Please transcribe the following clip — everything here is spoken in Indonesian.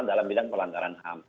dalam bidang pelanggaran ham